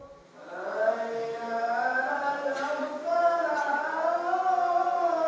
jadi itu adalah simbol bahwa di dalam islam